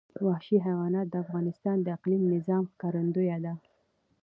وحشي حیوانات د افغانستان د اقلیمي نظام ښکارندوی ده.